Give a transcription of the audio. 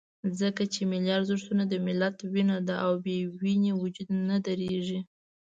ځکه چې ملي ارزښتونه د ملت وینه ده، او بې وینې وجود نه درېږي.